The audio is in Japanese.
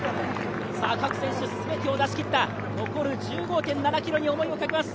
各選手、全てを出し切った、残る１５．７ｋｍに全てをかけます。